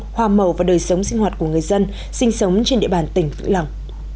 hoa màu và đời sống sinh hoạt của người dân sinh sống trên địa bàn tỉnh vĩ lòng